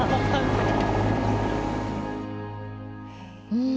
うん。